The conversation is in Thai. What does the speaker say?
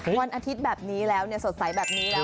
วันอาทิตย์แบบนี้แล้วสดใสแบบนี้แล้ว